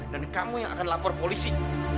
dan kamu yang akan lapor polisi